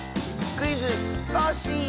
「クイズ！コッシー」！